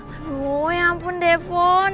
aduh ya ampun deh fon